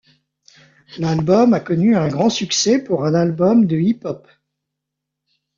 L'album a connu un grand succès pour un album de hip-hop.